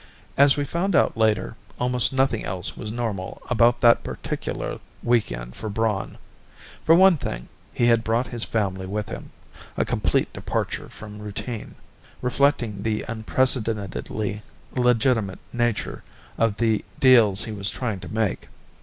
As we found out later, almost nothing else was normal about that particular week end for Braun. For one thing, he had brought his family with him a complete departure from routine reflecting the unprecedentedly legitimate nature of the deals he was trying to make.